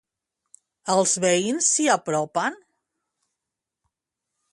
Els veïns s'hi apropen?